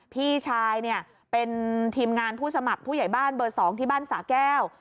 พี่ชายเนี่ยเป็นทีมงานผู้สมัครผู้ใหญ่บ้านเบอร์๒ที่บ้านสาแก้ว